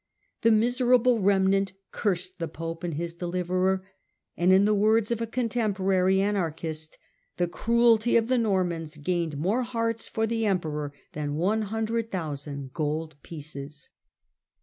The miserable remnant cursed the pope and his deliverer, and, in the words of a contemporary anarchist, the cruelty of the Normans gained more hearts for the emperor than 100,000 gold pieces.